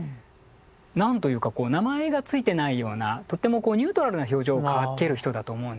何というか名前が付いてないようなとってもニュートラルな表情を描ける人だと思うんですね。